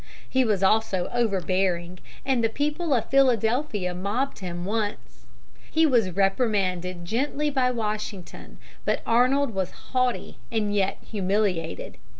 He was also overbearing, and the people of Philadelphia mobbed him once. He was reprimanded gently by Washington, but Arnold was haughty and yet humiliated.